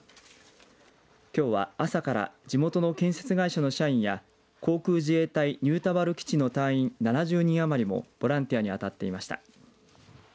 きょうは朝から地元の建設会社の社員や航空自衛隊新田原基地の隊員７０人余りもボランティアに当たっていました。